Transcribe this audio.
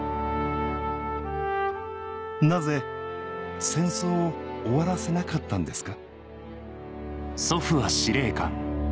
なぜ戦争を終わらせなかったんですか？